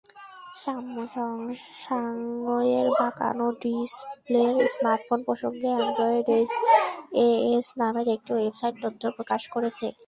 স্যামসাংয়ের বাঁকানো ডিসপ্লের স্মার্টফোন প্রসঙ্গে অ্যান্ড্রয়েডএসএএস নামের একটি ওয়েবসাইট তথ্য প্রকাশ করেছে।